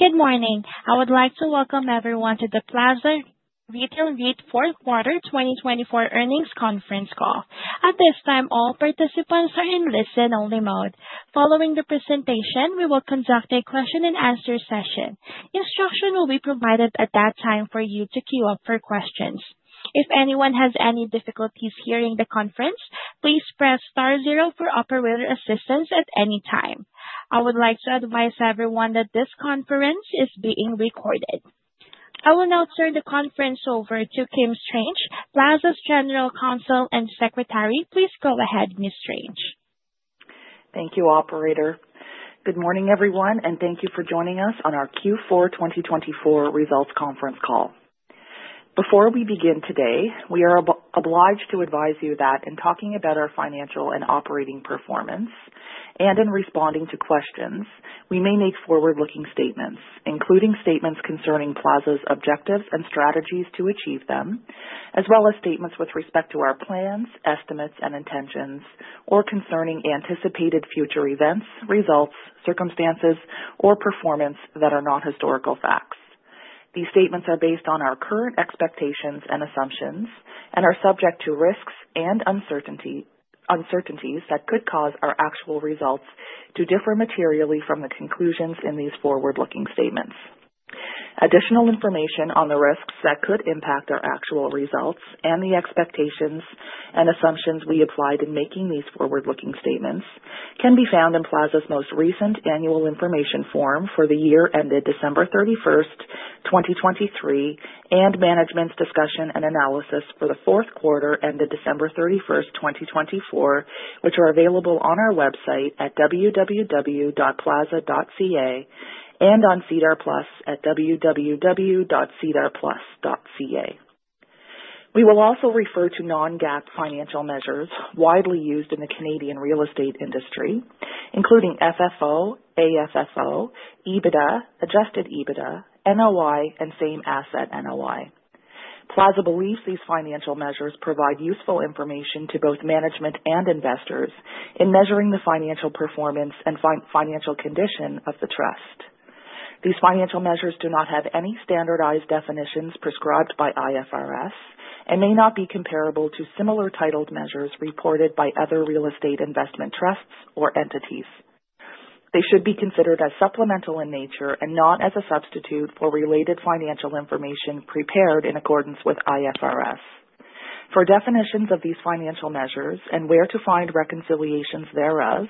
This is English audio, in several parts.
Good morning. I would like to welcome everyone to the Plaza Retail REIT Fourth Quarter 2024 earnings conference call. At this time, all participants are in listen-only mode. Following the presentation, we will conduct a question-and-answer session. Instruction will be provided at that time for you to queue up for questions. If anyone has any difficulties hearing the conference, please press star zero for operator assistance at any time. I would like to advise everyone that this conference is being recorded. I will now turn the conference over to Kim Strange, Plaza's General Counsel and Secretary. Please go ahead, Ms. Strange. Thank you, Operator. Good morning, everyone, and thank you for joining us on our Q4 2024 results conference call. Before we begin today, we are obliged to advise you that in talking about our financial and operating performance and in responding to questions, we may make forward-looking statements, including statements concerning Plaza's objectives and strategies to achieve them, as well as statements with respect to our plans, estimates, and intentions, or concerning anticipated future events, results, circumstances, or performance that are not historical facts. These statements are based on our current expectations and assumptions and are subject to risks and uncertainties that could cause our actual results to differ materially from the conclusions in these forward-looking statements. Additional information on the risks that could impact our actual results and the expectations and assumptions we applied in making these forward-looking statements can be found in Plaza's most recent Annual Information Form for the year ended December 31st, 2023, and Management's Discussion and Analysis for the fourth quarter ended December 31st, 2024, which are available on our website at www.plaza.ca and on SEDAR+ at www.sedarplus.ca. We will also refer to non-GAAP financial measures widely used in the Canadian real estate industry, including FFO, AFFO, EBITDA, Adjusted EBITDA, NOI, and Same Asset NOI. Plaza believes these financial measures provide useful information to both management and investors in measuring the financial performance and financial condition of the trust. These financial measures do not have any standardized definitions prescribed by IFRS and may not be comparable to similar titled measures reported by other real estate investment trusts or entities. They should be considered as supplemental in nature and not as a substitute for related financial information prepared in accordance with IFRS. For definitions of these financial measures and where to find reconciliations thereof,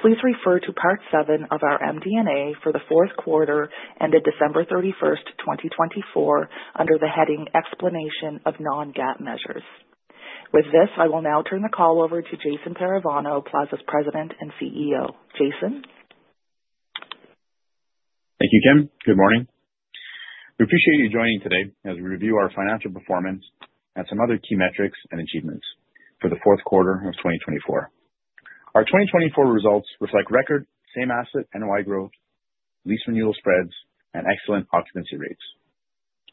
please refer to Part 7 of our MD&A for the fourth quarter ended December 31st, 2024, under the heading Explanation of Non-GAAP Measures. With this, I will now turn the call over to Jason Parravano, Plaza's President and CEO. Jason. Thank you, Kim. Good morning. We appreciate you joining today as we review our financial performance and some other key metrics and achievements for the fourth quarter of 2024. Our 2024 results reflect record Same Asset NOI growth, lease renewal spreads, and excellent occupancy rates.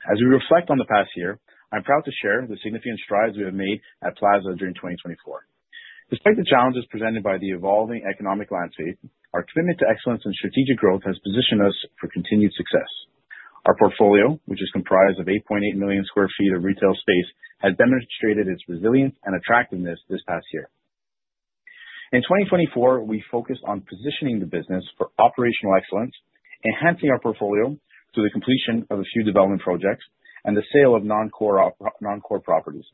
As we reflect on the past year, I'm proud to share the significant strides we have made at Plaza during 2024. Despite the challenges presented by the evolving economic landscape, our commitment to excellence and strategic growth has positioned us for continued success. Our portfolio, which is comprised of 8.8 million sq ft of retail space, has demonstrated its resilience and attractiveness this past year. In 2024, we focused on positioning the business for operational excellence, enhancing our portfolio through the completion of a few development projects and the sale of non-core properties.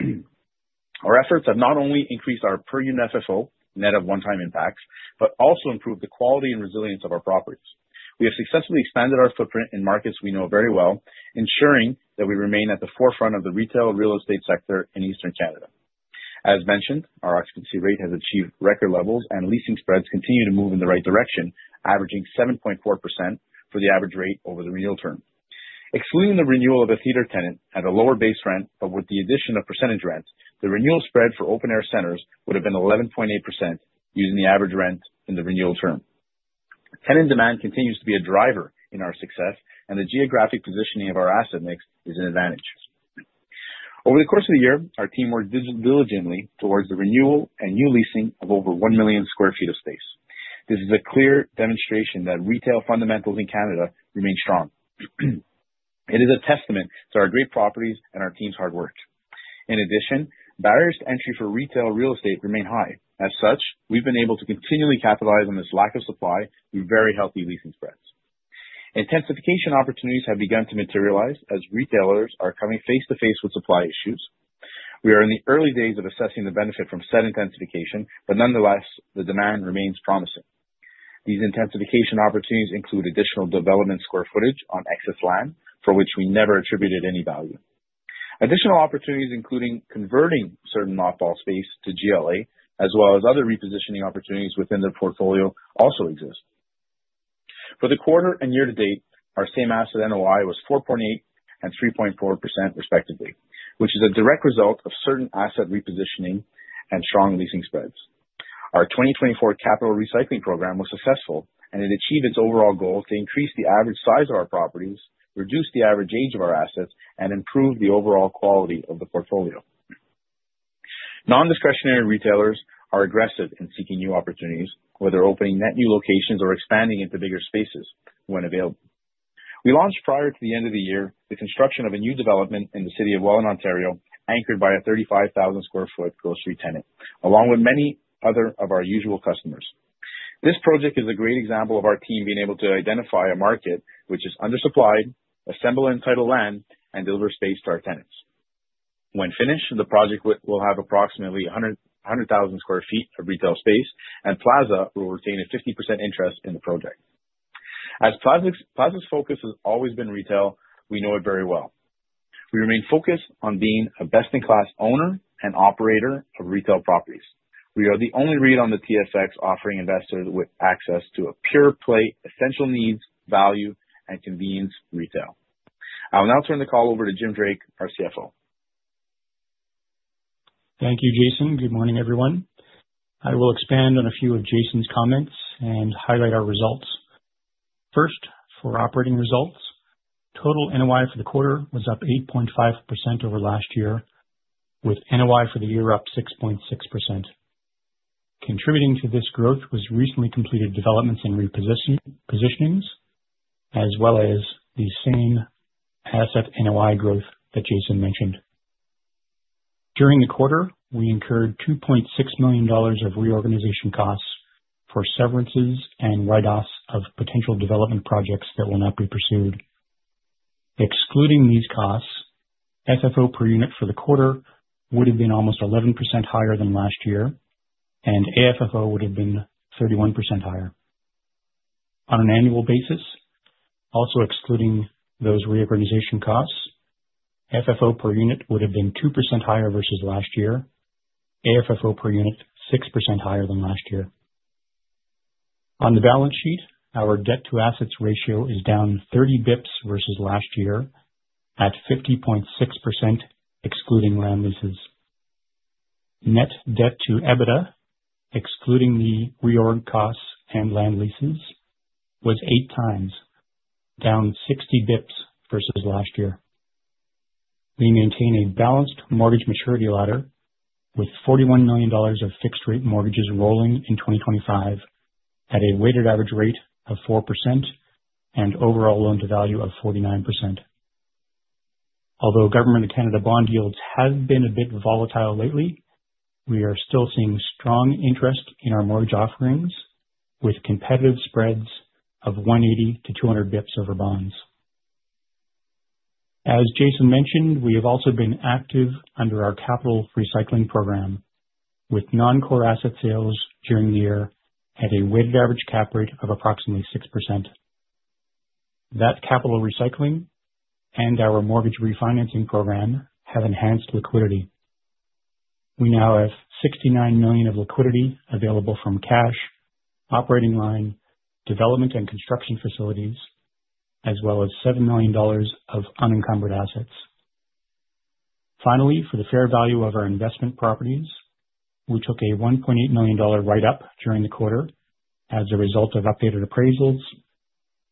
Our efforts have not only increased our per-unit FFO net of one-time impacts but also improved the quality and resilience of our properties. We have successfully expanded our footprint in markets we know very well, ensuring that we remain at the forefront of the retail real estate sector in Eastern Canada. As mentioned, our occupancy rate has achieved record levels and leasing spreads continue to move in the right direction, averaging 7.4% for the average rate over the renewal term. Excluding the renewal of a theatre tenant at a lower base rent, but with the addition of percentage rent, the renewal spread for open-air centres would have been 11.8% using the average rent in the renewal term. Tenant demand continues to be a driver in our success, and the geographic positioning of our asset mix is an advantage. Over the course of the year, our team worked diligently towards the renewal and new leasing of over 1 million sq ft of space. This is a clear demonstration that retail fundamentals in Canada remain strong. It is a testament to our great properties and our team's hard work. In addition, barriers to entry for retail real estate remain high. As such, we've been able to continually capitalize on this lack of supply through very healthy leasing spreads. Intensification opportunities have begun to materialize as retailers are coming face-to-face with supply issues. We are in the early days of assessing the benefit from such intensification, but nonetheless, the demand remains promising. These intensification opportunities include additional development square footage on excess land for which we never attributed any value. Additional opportunities, including converting certain mothballed space to GLA, as well as other repositioning opportunities within the portfolio, also exist. For the quarter and year to date, our Same Asset NOI was 4.8% and 3.4% respectively, which is a direct result of certain asset repositioning and strong leasing spreads. Our 2024 capital recycling program was successful, and it achieved its overall goal to increase the average size of our properties, reduce the average age of our assets, and improve the overall quality of the portfolio. Non-discretionary retailers are aggressive in seeking new opportunities, whether opening net new locations or expanding into bigger spaces when available. We launched prior to the end of the year the construction of a new development in the city of Welland, Ontario, anchored by a 35,000 sq ft grocery tenant, along with many other of our usual customers. This project is a great example of our team being able to identify a market which is undersupplied, assemble and entitle land, and deliver space to our tenants. When finished, the project will have approximately 100,000 sq ft of retail space, and Plaza will retain a 50% interest in the project. As Plaza's focus has always been retail, we know it very well. We remain focused on being a best-in-class owner and operator of retail properties. We are the only REIT on the TSX offering investors with access to a pure play essential needs, value, and convenience retail. I will now turn the call over to Jim Drake, our CFO. Thank you, Jason. Good morning, everyone. I will expand on a few of Jason's comments and highlight our results. First, for operating results, total NOI for the quarter was up 8.5% over last year, with NOI for the year up 6.6%. Contributing to this growth was recently completed developments and repositionings, as well as the Same Asset NOI growth that Jason mentioned. During the quarter, we incurred 2.6 million dollars of reorganization costs for severances and write-offs of potential development projects that will not be pursued. Excluding these costs, FFO per unit for the quarter would have been almost 11% higher than last year, and AFFO would have been 31% higher. On an annual basis, also excluding those reorganization costs, FFO per unit would have been 2% higher versus last year, AFFO per unit 6% higher than last year. On the balance sheet, our debt-to-assets ratio is down 30 basis points versus last year at 50.6% excluding land leases. Net debt-to-EBITDA, excluding the reorg costs and land leases, was eight times, down 60 basis points versus last year. We maintain a balanced mortgage maturity ladder with 41 million dollars of fixed-rate mortgages rolling in 2025 at a weighted average rate of 4% and overall loan-to-value of 49%. Although Government of Canada bond yields have been a bit volatile lately, we are still seeing strong interest in our mortgage offerings with competitive spreads of 180 to 200 basis points over bonds. As Jason mentioned, we have also been active under our capital recycling program with non-core asset sales during the year at a weighted average cap rate of approximately 6%. That capital recycling and our mortgage refinancing program have enhanced liquidity. We now have 69 million of liquidity available from cash, operating line, development, and construction facilities, as well as 7 million dollars of unencumbered assets. Finally, for the fair value of our investment properties, we took a 1.8 million dollar write-up during the quarter as a result of updated appraisals,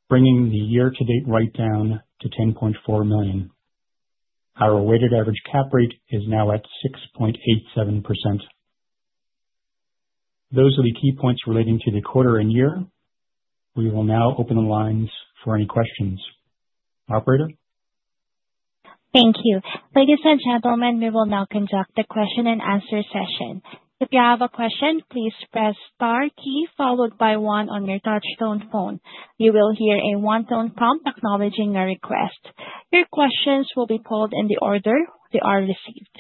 bringing the year-to-date write-down to 10.4 million. Our weighted average cap rate is now at 6.87%. Those are the key points relating to the quarter and year. We will now open the lines for any questions. Operator. Thank you. Ladies and gentlemen, we will now conduct the question-and-answer session. If you have a question, please press star key followed by one on your touch-tone phone. You will hear a tone prompt acknowledging your request. Your questions will be polled in the order they are received.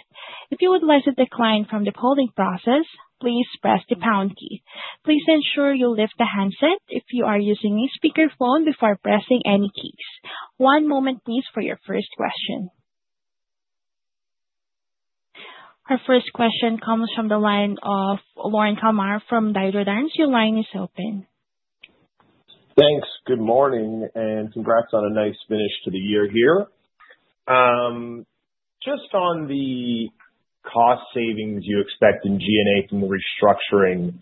If you would like to decline from the polling process, please press the pound key. Please ensure you lift the handset if you are using a speakerphone before pressing any keys. One moment, please, for your first question. Our first question comes from the line of Lorne Kalmar from Desjardins Securities. Your line is open. Thanks. Good morning and congrats on a nice finish to the year here. Just on the cost savings you expect in G&A from the restructuring,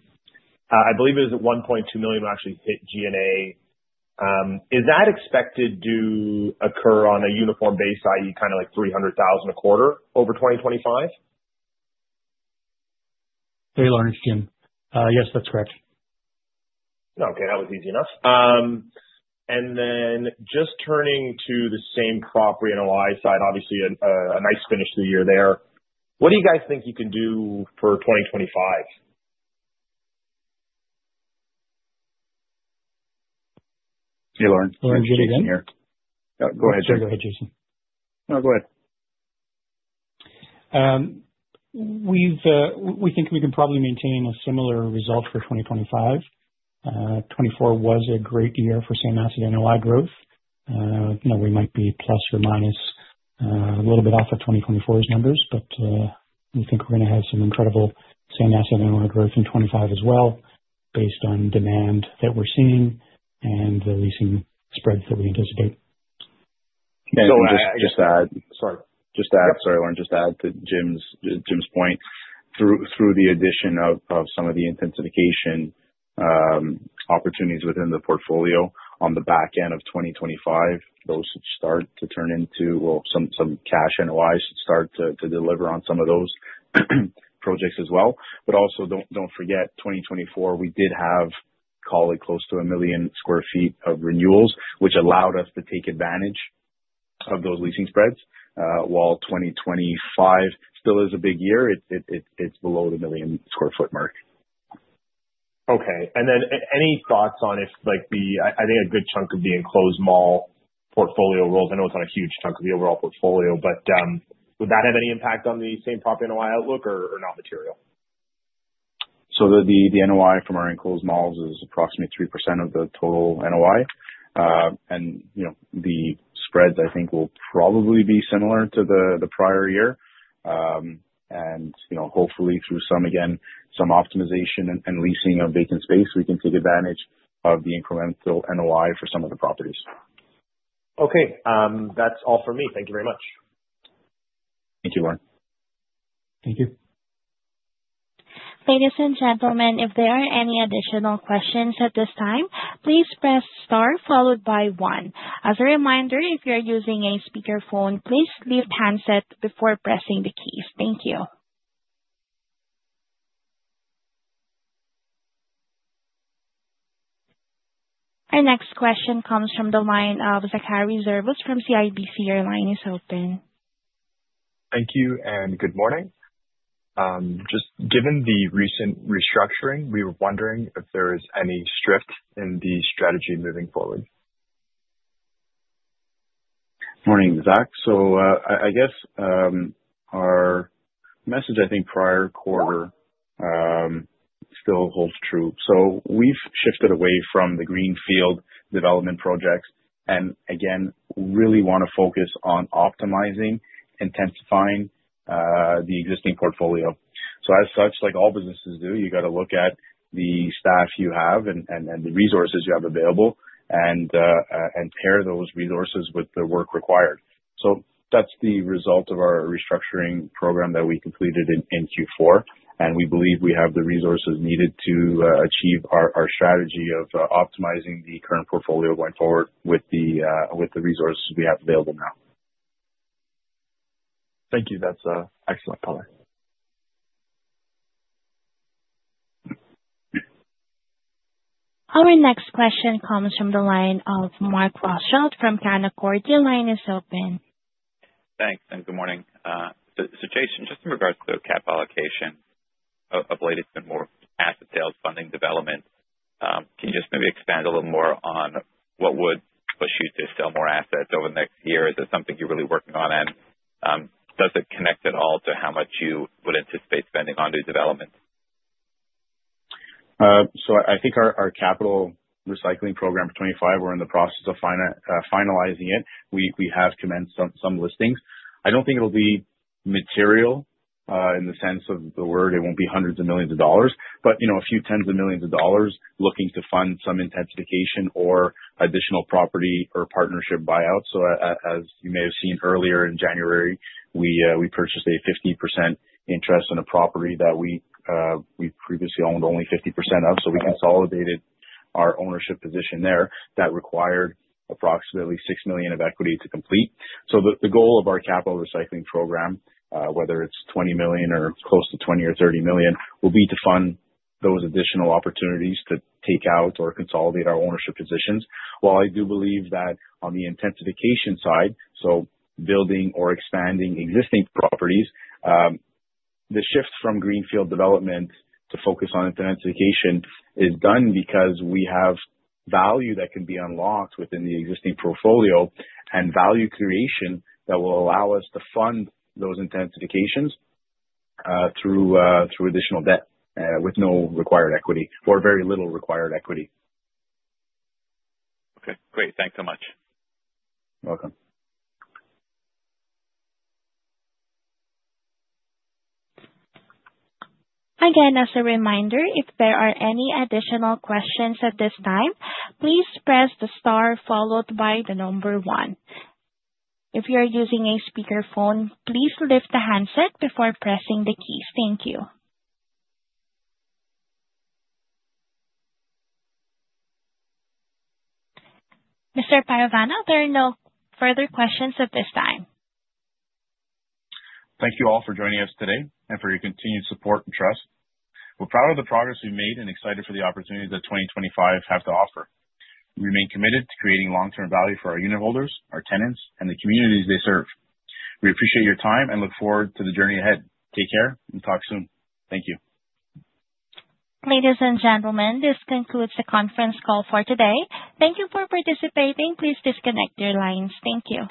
I believe it was at 1.2 million when I actually hit G&A. Is that expected to occur on a uniform basis, i.e., kind of like 300,000 a quarter over 2025? Hey, Lorne. It's Jim. Yes, that's correct. Okay. That was easy enough and then just turning to the Same Asset NOI side, obviously a nice finish to the year there. What do you guys think you can do for 2025? Hey, Lorne. Lorne, Jason here. Go ahead, Jason. Sorry. Go ahead, Jason. No, go ahead. We think we can probably maintain a similar result for 2025. 2024 was a great year for Same Asset NOI growth. We might be plus or minus a little bit off of 2024's numbers, but we think we're going to have some incredible Same Asset NOI growth in 2025 as well based on demand that we're seeing and the leasing spreads that we anticipate. Just to add to Jim's point, Lorne, through the addition of some of the intensification opportunities within the portfolio on the back end of 2025, those should start to turn into, well, some cash NOIs should start to deliver on some of those projects as well. But also don't forget, 2024, we did have call it close to a million sq ft of renewals, which allowed us to take advantage of those leasing spreads. While 2025 still is a big year, it's below the million sq ft mark. Okay. And then any thoughts on if I think a good chunk of the enclosed mall portfolio rolls? I know it's not a huge chunk of the overall portfolio, but would that have any impact on the same property NOI outlook or not material? So the NOI from our enclosed malls is approximately 3% of the total NOI. And the spreads, I think, will probably be similar to the prior year. And hopefully, through some optimization and leasing of vacant space, we can take advantage of the incremental NOI for some of the properties. Okay. That's all for me. Thank you very much. Thank you, Lorne. Thank you. Ladies and gentlemen, if there are any additional questions at this time, please press star followed by one. As a reminder, if you are using a speakerphone, please leave handset before pressing the keys. Thank you. Our next question comes from the line of Dean Wilkinson from CIBC. Your line is open. Thank you and good morning. Just given the recent restructuring, we were wondering if there is any shift in the strategy moving forward. Morning, Zak. So I guess our message, I think, prior quarter still holds true. So we've shifted away from the greenfield development projects and, again, really want to focus on optimizing, intensifying the existing portfolio. So as such, like all businesses do, you got to look at the staff you have and the resources you have available and pair those resources with the work required. So that's the result of our restructuring program that we completed in Q4. And we believe we have the resources needed to achieve our strategy of optimizing the current portfolio going forward with the resources we have available now. Thank you. That's excellent, Parravano. Our next question comes from the line of Mark Rothschild from Canaccord. Your line is open. Thanks and good morning. So, Jason, just in regards to the capital allocation and the latest and more asset sales to fund development, can you just maybe expand a little more on what would push you to sell more assets over the next year? Is it something you're really working on? And does it connect at all to how much you would anticipate spending on new developments? I think our capital recycling program for 2025, we're in the process of finalizing it. We have commenced some listings. I don't think it'll be material in the sense of the word. It won't be hundreds of millions CAD, but a few tens of millions CAD looking to fund some intensification or additional property or partnership buyouts. As you may have seen earlier in January, we purchased a 50% interest in a property that we previously owned only 50% of. We consolidated our ownership position there. That required approximately six million of equity to complete. The goal of our capital recycling program, whether it's 20 million or close to 20 or 30 million, will be to fund those additional opportunities to take out or consolidate our ownership positions. While I do believe that on the intensification side, so building or expanding existing properties, the shift from greenfield development to focus on intensification is done because we have value that can be unlocked within the existing portfolio and value creation that will allow us to fund those intensifications through additional debt with no required equity or very little required equity. Okay. Great. Thanks so much. You're welcome. Again, as a reminder, if there are any additional questions at this time, please press the star followed by the number one. If you are using a speakerphone, please lift the handset before pressing the keys. Thank you. Mr. Parravano, there are no further questions at this time. Thank you all for joining us today and for your continued support and trust. We're proud of the progress we've made and excited for the opportunities that 2025 has to offer. We remain committed to creating long-term value for our unitholders, our tenants, and the communities they serve. We appreciate your time and look forward to the journey ahead. Take care and talk soon. Thank you. Ladies and gentlemen, this concludes the conference call for today. Thank you for participating. Please disconnect your lines. Thank you.